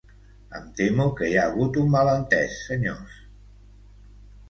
Em temo que hi ha hagut un malentès, senyors.